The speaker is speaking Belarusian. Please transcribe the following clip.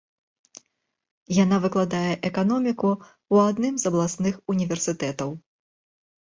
Яна выкладае эканоміку ў адным з абласных універсітэтаў.